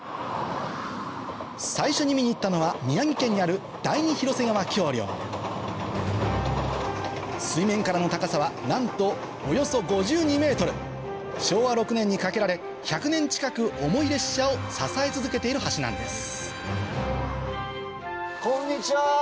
最初に見に行ったのは水面からの高さはなんとおよそ５２ｍ昭和６年に架けられ１００年近く重い列車を支え続けている橋なんですこんにちは。